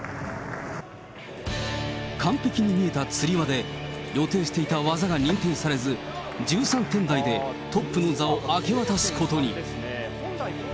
完璧に見えたつり輪で、予定していた技が認定されず、１３点台でトップの座を明け渡すことに。